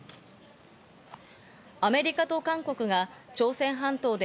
アメリカと韓国が朝鮮半島で